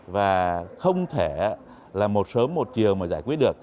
và không thể là một sớm một chiều mà giải quyết được